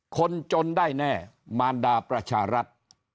คนจนได้แน่มารดาประชารัฐ